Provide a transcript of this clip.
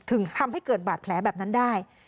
ถึงทำให้เกิดบาดแผลแบบนั้นได้